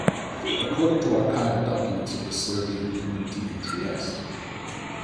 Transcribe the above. According to archival documents of the Serbian community in Trieste.